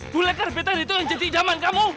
bu lekar betar itu yang jadi idaman kamu